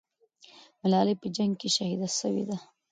ملالۍ په جنگ کې شهیده سوې ده.